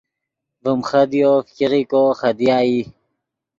ڤیم خدیو فګیغو خدیا ای